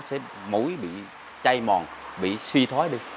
sẽ mũi bị chay mòn bị suy thoái đi